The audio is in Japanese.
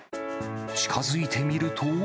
近づいてみると。